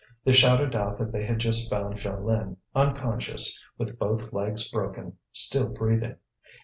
They shouted out that they had just found Jeanlin, unconscious, with both legs broken, still breathing.